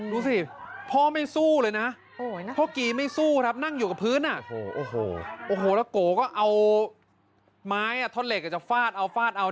มึงไม่ทำอะไรใครมึงไม่ทำแต่ถ้ามึงไม่มาตายตายตายตายตายตายตาย